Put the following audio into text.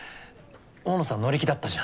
大野さん乗り気だったじゃん。